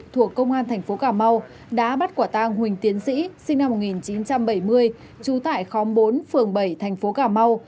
thuộc công an thành phố cà mau đã bắt quả tang huỳnh tiến sĩ sinh năm một nghìn chín trăm bảy mươi trú tại khóm bốn phường bảy thành phố cà mau